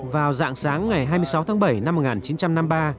vào dạng sáng ngày hai mươi sáu tháng bảy năm một nghìn chín trăm năm mươi ba